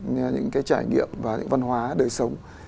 nghe những cái trải nghiệm và những văn hóa đời sống